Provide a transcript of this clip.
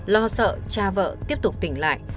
lo sợ cha vợ tiếp tục tỉnh lại